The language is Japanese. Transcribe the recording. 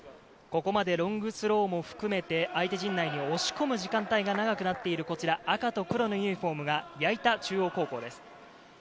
ここまでロングスローも含めて相手陣内に押し込む時間帯が長くなっている赤と黒のユニホームが矢板中央高校です。